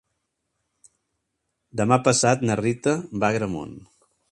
Demà passat na Rita va a Agramunt.